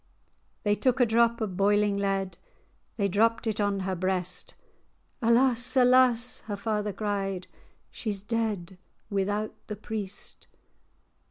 [#] mother. They took a drap o' boiling lead, They drapped it on her breast; "Alas! alas!" her father cried, "She's dead without the priest."